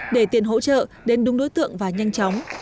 để tiền hỗ trợ đến đúng đối tượng và nhanh chóng